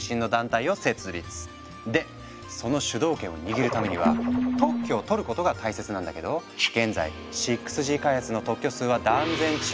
でその主導権を握るためには特許を取ることが大切なんだけど現在６Ｇ開発の特許数は断然中国が優勢なの。